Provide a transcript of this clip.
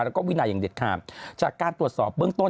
แล้วก็วินัยอย่างเด็ดขาดจากการตรวจสอบเบื้องต้น